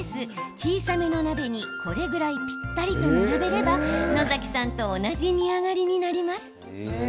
小さめの鍋にこれぐらいぴったりと並べれば野崎さんと同じ煮上がりになります。